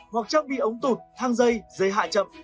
hoặc trang bị ống tụt thang dây dây hạ chậm